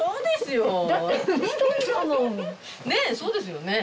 ねえそうですよね。